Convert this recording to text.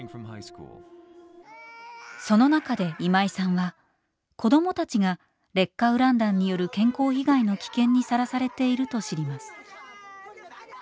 その中で今井さんは子どもたちが「劣化ウラン弾」による健康被害の危険にさらされていると知ります。